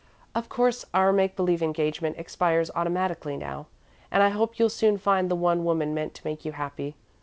"Of course our make believe engagement expires automatically now, and I hope you'll soon find the one woman meant to make you happy.